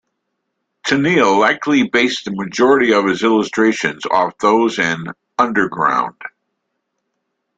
Tenniel likely based the majority of his illustrations off those in "Under Ground".